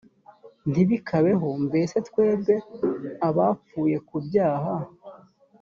ntibikabeho mbese twebwe abapfuye ku byaha